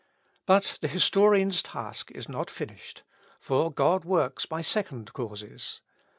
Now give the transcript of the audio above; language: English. But the historian's task is not finished; for God works by second causes.